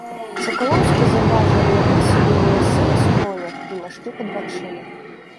Сакалоўскі заўважыў у яго сівыя валасы на скронях і мяшкі пад вачыма.